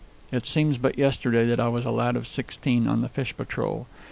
It seems but yesterday that I was a lad of sixteen on the fish patrol.